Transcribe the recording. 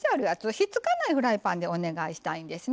ひっつかないフライパンでお願いしたいんですね。